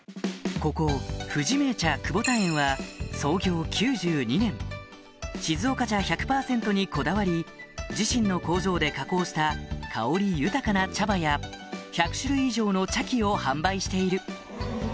ここ「富士銘茶くぼた園」は静岡茶１００％にこだわり自身の工場で加工した香り豊かな茶葉や１００種類以上の茶器を販売している